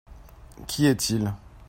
Qui est-il ?